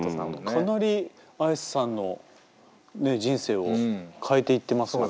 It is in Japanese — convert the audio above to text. かなりＡｙａｓｅさんの人生を変えていってますもんね。